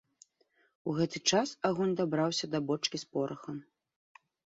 У гэты час агонь дабраўся да бочкі з порахам.